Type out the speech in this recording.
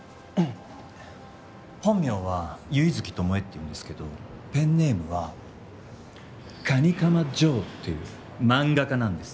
本名は唯月巴っていうんですけどペンネームは蟹釜ジョーっていう漫画家なんです。